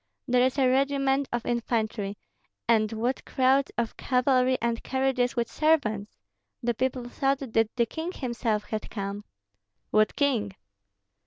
There is a regiment of infantry, and what crowds of cavalry and carriages with servants! The people thought that the king himself had come." "What king?"